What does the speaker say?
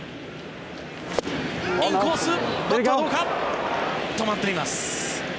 インコース、バットは止まっています。